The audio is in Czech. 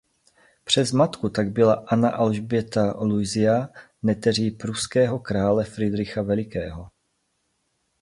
Přes matku tak byla Anna Alžběta Luisa neteří pruského krále Fridricha Velikého.